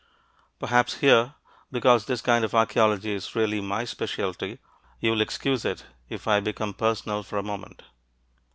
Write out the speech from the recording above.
Perhaps here, because this kind of archeology is really my specialty, you'll excuse it if I become personal for a moment.